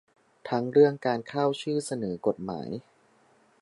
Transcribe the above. ทั้งเรื่องการเข้าชื่อเสนอกฎหมาย